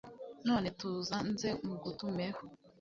None tuza nze mugutumeho